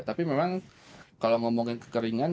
tapi memang kalau ngomongin kekeringan